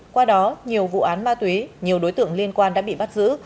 qua đó nhiều vụ án ma túy nhiều đối tượng liên quan đã bị bắt giữ